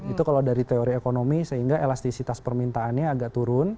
itu kalau dari teori ekonomi sehingga elastisitas permintaannya agak turun